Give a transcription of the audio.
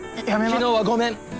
昨日はごめん。